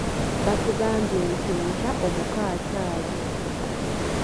Batugambye nti enkya omukko akyala.